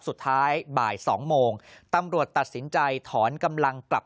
สุดท้ายบ่าย๒โมงตำรวจตัดสินใจถอนกำลังกลับ